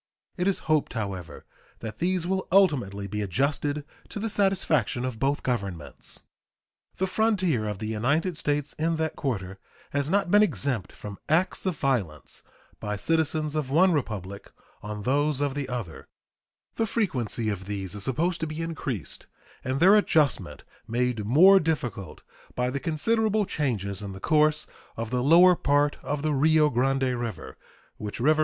It is hoped, however, that these will ultimately be adjusted to the satisfaction of both Governments. The frontier of the United States in that quarter has not been exempt from acts of violence by citizens of one Republic on those of the other. The frequency of these is supposed to be increased and their adjustment made more difficult by the considerable changes in the course of the lower part of the Rio Grande River, which river is a part of the boundary between the two countries.